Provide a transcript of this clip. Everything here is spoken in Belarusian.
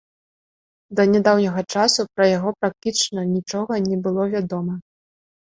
Да нядаўняга часу пра яго практычна нічога не было вядома.